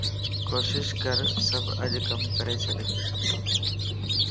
ڪوشش ڪر سڀ اڄ ڪم ڪري ڇڏ